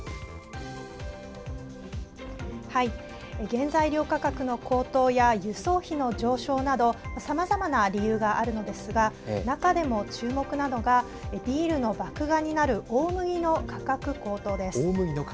原材料価格の高騰や輸送費の上昇などさまざまな理由があるのですが中でも注目なのが、ビールの麦芽になる大麦の価格高騰です。